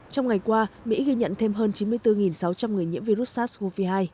trong ngày qua mỹ ghi nhận thêm hơn chín mươi bốn sáu trăm linh người nhiễm virus sars cov hai